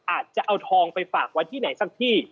อาจจะเอาทองไปฝากไว้ที่ไหนสักที่